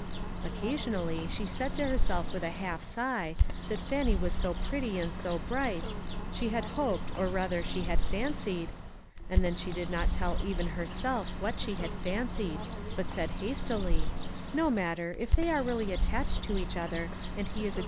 Occasionally she said to herself with a half sigh, that Fannie was so pretty and so bright, she had hoped, or rather she had fancied — and then she did not tell even herself what she had fancied, but said hastily, "No matter, if they are really attached to each other, and he is a OVERDOING.